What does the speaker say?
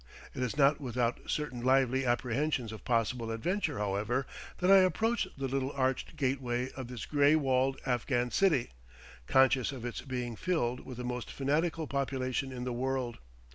It is not without certain lively apprehensions of possible adventure, however, that I approach the little arched gateway of this gray walled Afghan city, conscious of its being filled with the most fanatical population in the world.